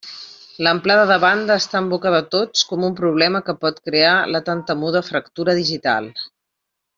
L'amplada de banda està en boca de tots com un problema que pot crear la tan temuda fractura digital.